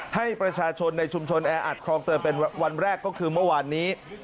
ให้ประชาชนในชุมชนแออัดคลองเติมเป็นวันแรกก็คือเมื่อวานนี้